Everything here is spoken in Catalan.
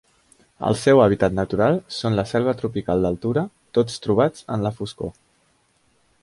El seu hàbitat natural són la selva tropical d'altura, tots trobats en la foscor.